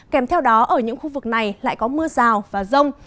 kèm theo đó ở những khu vực này lại có mưa rào và rông